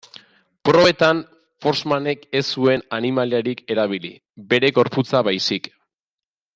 Probetan, Forssmanek ez zuen animaliarik erabili, bere gorputza baizik.